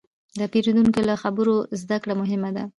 د پیرودونکي له خبرو زدهکړه مهمه ده.